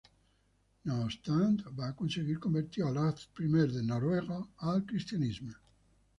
No obstant, van aconseguir convertir Olaf I de Noruega al cristianisme.